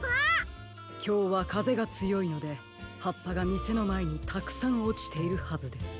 きょうはかぜがつよいのではっぱがみせのまえにたくさんおちているはずです。